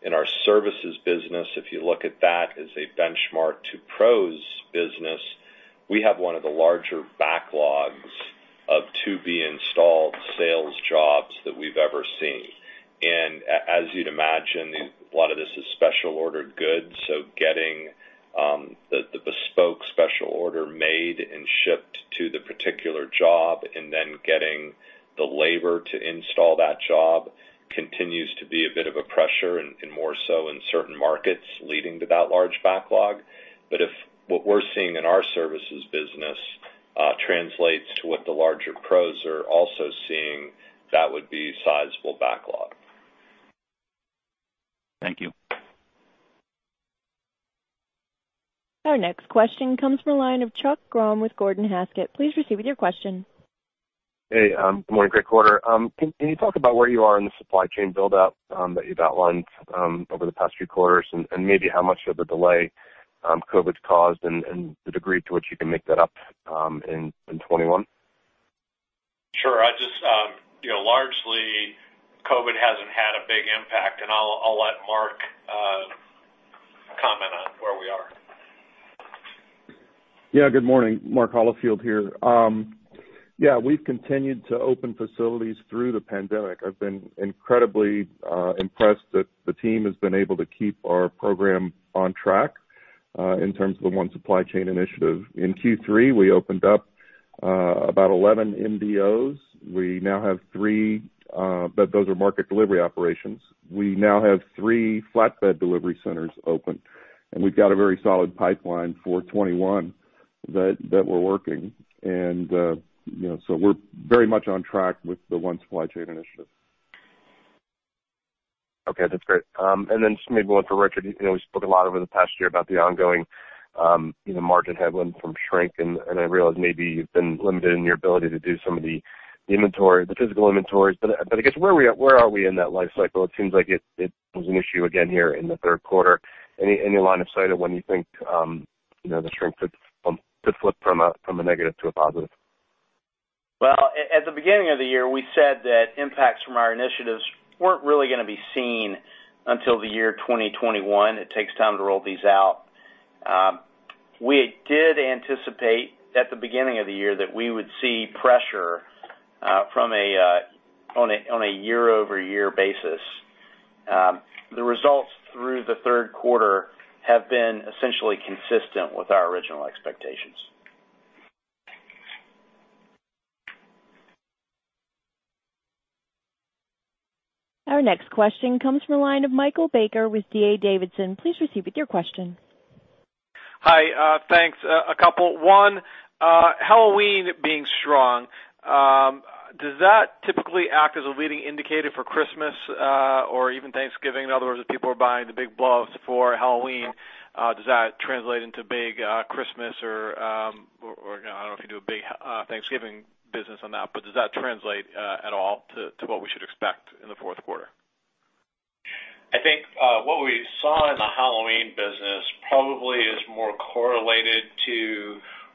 In our services business, if you look at that as a benchmark to pro's business, we have one of the larger backlogs of to-be-installed sales jobs that we've ever seen. As you'd imagine, a lot of this is special ordered goods, so getting the bespoke special order made and shipped to the particular job and then getting the labor to install that job continues to be a bit of a pressure, and more so in certain markets, leading to that large backlog. If what we're seeing in our services business translates to what the larger pros are also seeing, that would be sizable backlog. Thank you. Our next question comes from the line of Chuck Grom with Gordon Haskett. Please proceed with your question. Hey, good morning. Great quarter. Can you talk about where you are in the supply chain buildup that you've outlined over the past few quarters, and maybe how much of a delay COVID's caused and the degree to which you can make that up in 2021? Sure. Largely, COVID hasn't had a big impact, and I'll let Mark comment on where we are. Good morning. Mark Holifield here. We've continued to open facilities through the pandemic. I've been incredibly impressed that the team has been able to keep our program on track in terms of the One Supply Chain initiative. In Q3, we opened up about 11 MDOs. Those are Market Delivery Operations. We now have three flatbed delivery centers open, and we've got a very solid pipeline for 2021 that we're working. We're very much on track with the One Supply Chain initiative. Okay, that's great. Just maybe one for Richard. We spoke a lot over the past year about the ongoing margin headwind from shrink, and I realize maybe you've been limited in your ability to do some of the physical inventories. I guess, where are we in that life cycle? It seems like it was an issue again here in the third quarter. Any line of sight of when you think the shrink could flip from a negative to a positive? Well, at the beginning of the year, we said that impacts from our initiatives weren't really going to be seen until the year 2021. It takes time to roll these out. We did anticipate at the beginning of the year that we would see pressure on a year-over-year basis. The results through the third quarter have been essentially consistent with our original expectations. Our next question comes from the line of Michael Baker with D.A. Davidson. Please proceed with your question. Hi, thanks. A couple. One, Halloween being strong, does that typically act as a leading indicator for Christmas or even Thanksgiving? In other words, if people are buying the big blows for Halloween, does that translate into big Christmas or, I don't know if you do a big Thanksgiving business on that, but does that translate at all to what we should expect in the fourth quarter? I think what we saw in the Halloween business probably is more correlated to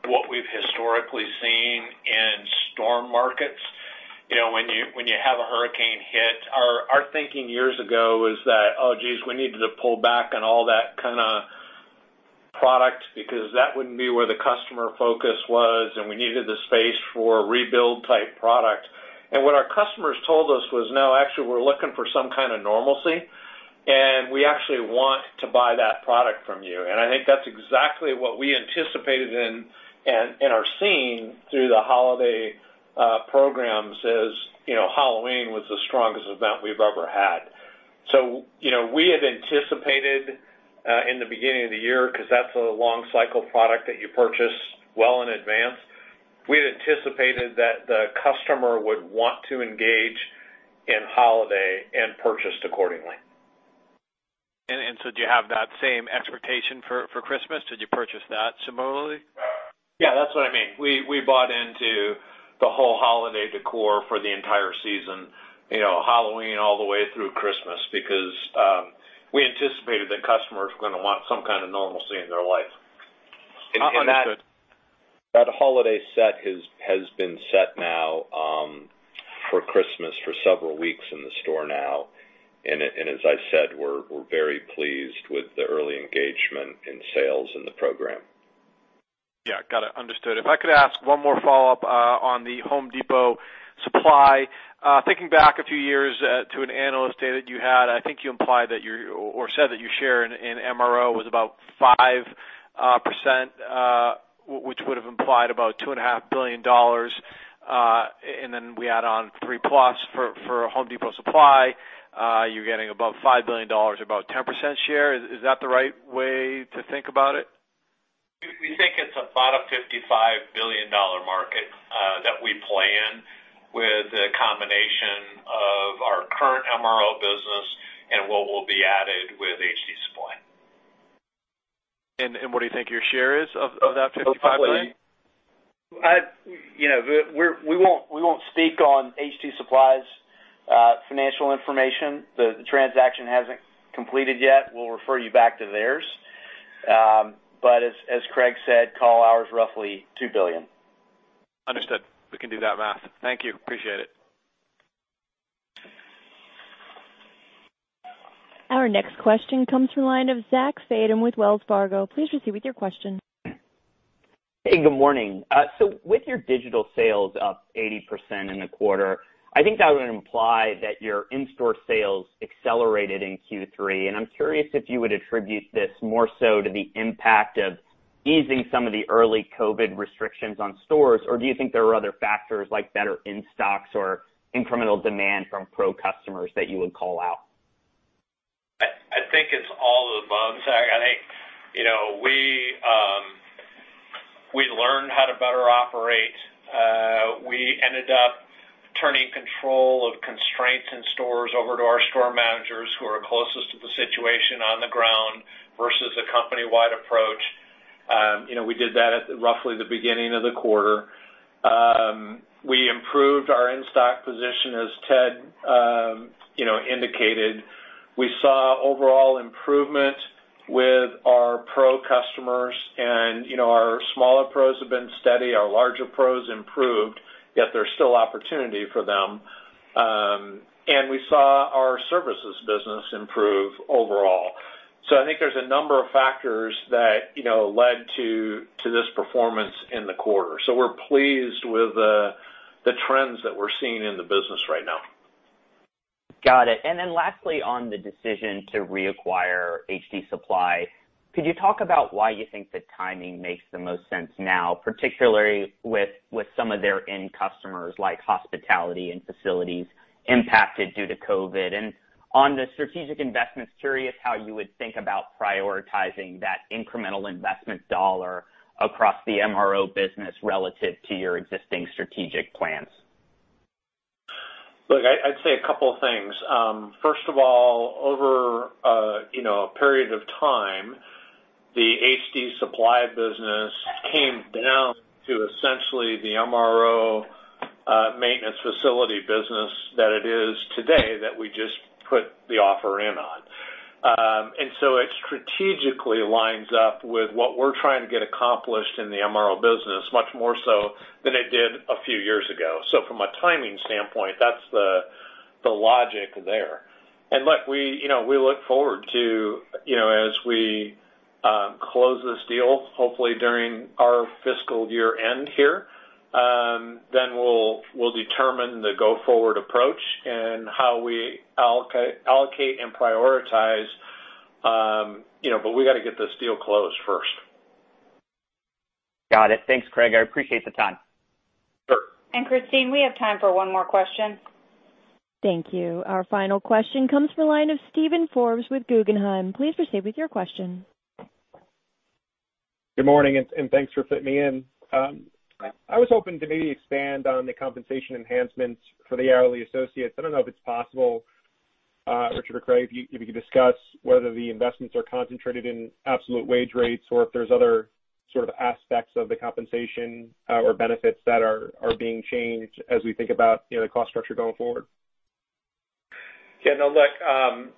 what we've historically seen in storm markets. When you have a hurricane hit, our thinking years ago was that, oh, geez, we needed to pull back on all that kind of product because that wouldn't be where the customer focus was, and we needed the space for rebuild-type product. What our customers told us was, "No, actually, we're looking for some kind of normalcy, and we actually want to buy that product from you." I think that's exactly what we anticipated and are seeing through the holiday programs is Halloween was the strongest event we've ever had. We had anticipated in the beginning of the year, because that's a long cycle product that you purchase well in advance. We had anticipated that the customer would want to engage in holiday and purchased accordingly. Do you have that same expectation for Christmas? Did you purchase that similarly? Yeah, that's what I mean. We bought into the whole holiday decor for the entire season, Halloween all the way through Christmas, because we anticipated that customers were going to want some kind of normalcy in their life. Understood. That holiday set has been set now for Christmas for several weeks in the store now. As I said, we're very pleased with the early engagement in sales in the program. Yeah. Got it. Understood. If I could ask one more follow-up on the HD Supply. Thinking back a few years to an Analyst Day that you had, I think you implied or said that your share in MRO was about 5%, which would have implied about $2.5 billion, and then we add on three-plus for HD Supply. You're getting above $5 billion, about 10% share. Is that the right way to think about it? We think it's about a $55 billion market that we play in with a combination of our current MRO business and what will be added with HD Supply. What do you think your share is of that $55 billion? We won't speak on HD Supply's financial information. The transaction hasn't completed yet. We'll refer you back to theirs. As Craig said, call ours roughly $2 billion. Understood. We can do that math. Thank you. Appreciate it. Our next question comes from the line of Zachary Fadem with Wells Fargo. Please proceed with your question. Hey, good morning. With your digital sales up 80% in the quarter, I think that would imply that your in-store sales accelerated in Q3. I'm curious if you would attribute this more so to the impact of easing some of the early COVID restrictions on stores, or do you think there are other factors like better in-stocks or incremental demand from pro customers that you would call out? I think it's all of the above, Zach. I think we learned how to better operate. We ended up turning control of constraints in stores over to our store managers who are closest to the situation on the ground versus a company-wide approach. We did that at roughly the beginning of the quarter. We improved our in-stock position, as Ted indicated. We saw overall improvement with our pro customers. Our smaller pros have been steady. Our larger pros improved, yet there's still opportunity for them. We saw our services business improve overall. I think there's a number of factors that led to this performance in the quarter. We're pleased with the trends that we're seeing in the business right now. Got it. Lastly, on the decision to reacquire HD Supply, could you talk about why you think the timing makes the most sense now, particularly with some of their end customers like hospitality and facilities impacted due to COVID? On the strategic investments, curious how you would think about prioritizing that incremental investment dollar across the MRO business relative to your existing strategic plans. Look, I'd say a couple of things. First of all, over a period of time, the HD Supply business came down to essentially the MRO maintenance facility business that it is today that we just put the offer in on. It strategically lines up with what we're trying to get accomplished in the MRO business much more so than it did a few years ago. From a timing standpoint, that's the logic there. Look, we look forward to as we close this deal, hopefully during our fiscal year-end here, then we'll determine the go-forward approach and how we allocate and prioritize. We got to get this deal closed first. Got it. Thanks, Craig. I appreciate the time. Sure. Christine, we have time for one more question. Thank you. Our final question comes from the line of Steven Forbes with Guggenheim. Please proceed with your question. Good morning, and thanks for fitting me in. I was hoping to maybe expand on the compensation enhancements for the hourly associates. I don't know if it's possible, Richard or Craig, if you could discuss whether the investments are concentrated in absolute wage rates or if there's other sort of aspects of the compensation or benefits that are being changed as we think about the cost structure going forward. Yeah, no, look,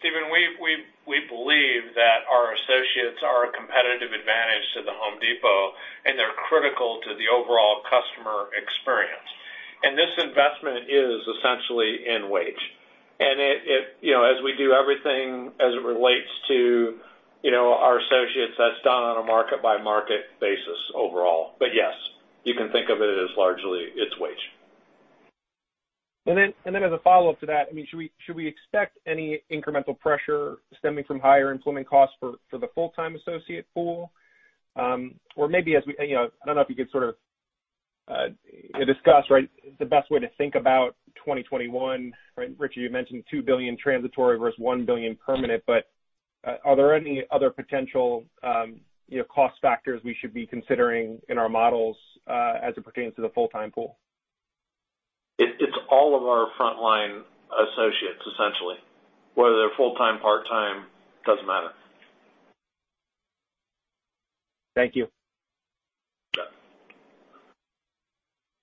Steven, we believe that our associates are a competitive advantage to The Home Depot, and they're critical to the overall customer experience. This investment is essentially in wage. As we do everything as it relates to our associates, that's done on a market-by-market basis overall. Yes, you can think of it as largely it's wage. As a follow-up to that, should we expect any incremental pressure stemming from higher employment costs for the full-time associate pool? Maybe, I don't know if you could sort of discuss the best way to think about 2021. Richard, you mentioned $2 billion transitory versus $1 billion permanent. Are there any other potential cost factors we should be considering in our models as it pertains to the full-time pool? It's all of our frontline associates, essentially, whether they're full-time, part-time, doesn't matter. Thank you.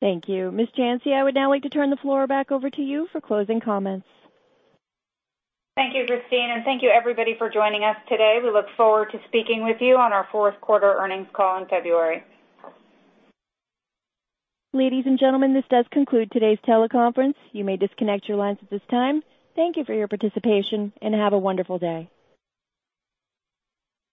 Thank you. Ms. Janci, I would now like to turn the floor back over to you for closing comments. Thank you, Christine, and thank you, everybody, for joining us today. We look forward to speaking with you on our fourth quarter earnings call in February. Ladies and gentlemen, this does conclude today's teleconference. You may disconnect your lines at this time. Thank you for your participation, and have a wonderful day.